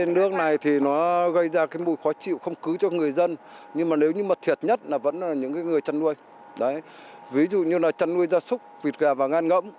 nói chung là trần nuôi ra súc vịt gà và ngan ngẫm